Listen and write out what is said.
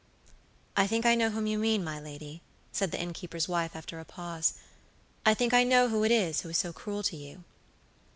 "I think I know whom you mean, my lady," said the innkeeper's wife, after a pause; "I think I know who it is who is so cruel to you."